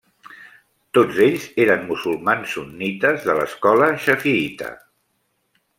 Tots ells eren musulmans sunnites de l'escola xafiïta.